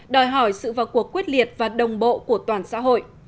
đòi hỏi sự vào cuộc quyết liệt và đồng bộ của toàn xã hội